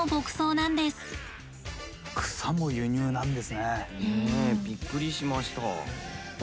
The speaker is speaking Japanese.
ねえびっくりしました。